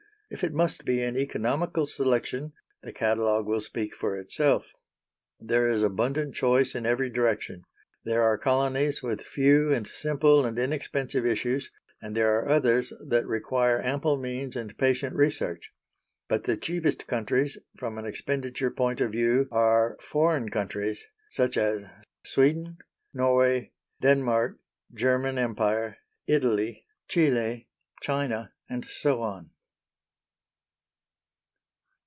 If it must be an economical selection, the catalogue will speak for itself. There is abundant choice in every direction. There are colonies with few and simple and inexpensive issues, and there are others that require ample means and patient research. But the cheapest countries, from an expenditure point of view, are foreign countries such as Sweden, Norway, Denmark, German Empire, Italy, Chili, China, and so on.